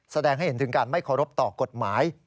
แสดงให้เห็นถึงการไม่เคารพต่อกฎหมาย